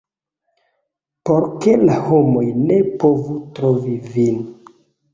por ke la homoj ne povu trovi vin.